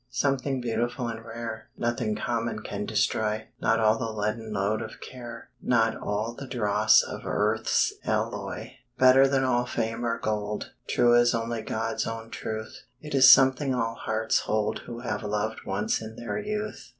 Something beautiful and rare, Nothing common can destroy; Not all the leaden load of care, Not all the dross of earth's alloy; Better than all fame or gold, True as only God's own truth, It is something all hearts hold Who have loved once in their youth.